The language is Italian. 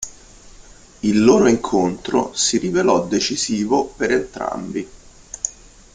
Il loro incontro si rivelò decisivo per entrambi.